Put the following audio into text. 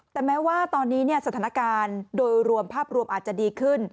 แต่แม้ว่าตอนนี้สถานการณ์โดยรวมภาพรวมอาจจะดีขึ้น